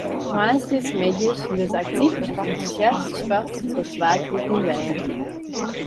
Woansdeitemiddeis wurdt der aktyf en entûsjast sport troch twa groepen bern.